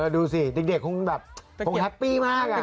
ดูสิเด็กคงแฮปปี้มาก